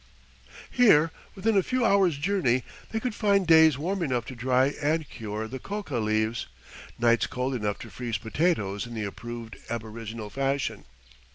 Here, within a few hours' journey, they could find days warm enough to dry and cure the coca leaves; nights cold enough to freeze potatoes in the approved aboriginal fashion.